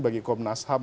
bagi komnas ham